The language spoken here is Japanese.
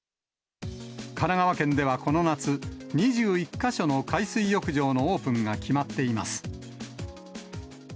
神奈川県ではこの夏、２１か所の海水浴場のオープンが決まっています。